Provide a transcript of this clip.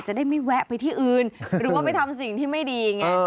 จะได้ไม่แวะไปที่อื่นหรือว่าไปทำสิ่งที่ไม่ดีไง